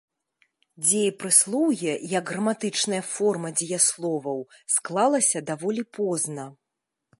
Дзеепрыслоўе як граматычная форма дзеясловаў склалася даволі позна.